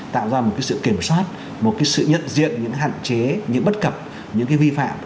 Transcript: tạo ra một cái sự kiểm soát một cái sự nhận diện những hạn chế những bất cập những cái vi phạm